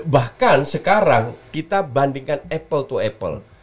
bahkan sekarang kita bandingkan apple to apple